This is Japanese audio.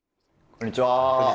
こんにちは。